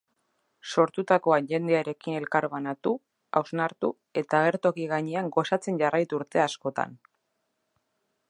Sortutakoa jendearekin elkarbanatu, hausnartu eta agertoki gainean gozatzen jarraitu urte askotan!